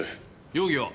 容疑は？